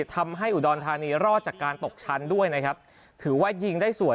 ทำให้อุดรธานีรอดจากการตกชั้นด้วยนะครับถือว่ายิงได้สวย